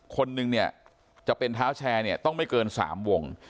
คนนึงเนี่ยจะเป็นเท้าแชร์เนี่ยต้องไม่เกิน๓วง